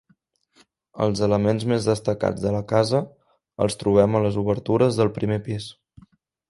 Els elements més destacats de la casa els trobem a les obertures del primer pis.